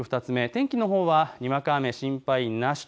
天気のほうは、にわか雨心配なし。